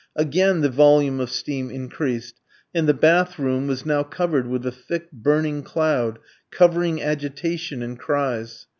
Again the volume of steam increased, and the bath room was now covered with a thick, burning cloud, covering agitation and cries.